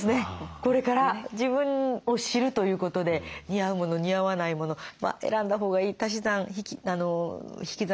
これから自分を知るということで似合うもの似合わないもの選んだほうがいい足し算引き算